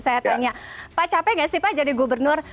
saya tanya pak capek gak sih pak jadi gubernur